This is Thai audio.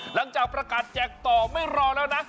หลังจากประกาศแจกต่อไม่รอแล้วนะ